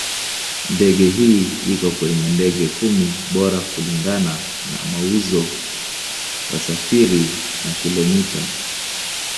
Ndege hii iko kwenye ndege kumi bora kulingana na mauzo, wasafiri na kilomita.